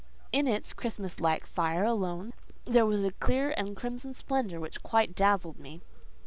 In its Christmas like fire alone there was a clear and crimson splendour which quite dazzled me.